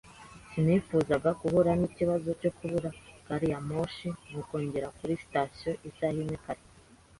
Sinifuzaga guhura n'ikibazo cyo kubura gari ya moshi, nuko ngera kuri sitasiyo isaha imwe kare.